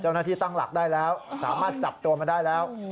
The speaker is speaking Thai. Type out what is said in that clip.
เจ้าหน้าที่ตั้งหลักได้แล้วสามารถจับตัวมาได้แล้ว